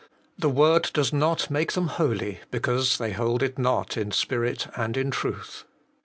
The word does not make them holy, because they hold it not in Spirit and in Truth.